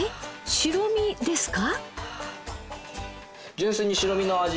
白身ですか？